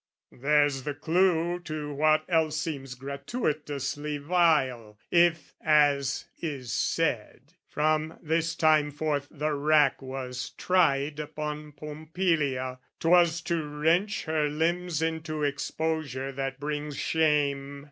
There's the clue To what else seems gratuitously vile, If, as is said, from this time forth the rack Was tried upon Pompilia: 'twas to wrench Her limbs into exposure that brings shame.